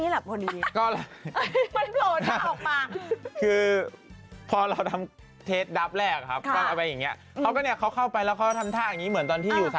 อัลโบ้เขาแบบนิ่งมากเลยนะ